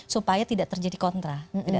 supaya tidak terjadi kontra